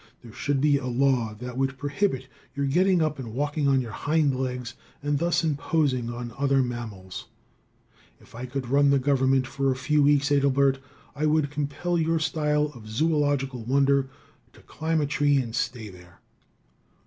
There should be a law that would prohibit your getting up and walking on your hind legs and thus imposing on other mammals. If I could run the government for a few weeks, Adelbert, I would compel your style of zoological wonder to climb a tree and stay there.